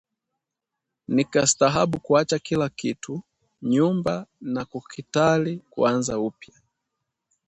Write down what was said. Nikastahabu kuacha kila kitu nyumba na kukhitari kuanza upya